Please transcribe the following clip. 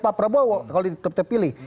pak prabowo kalau terpilih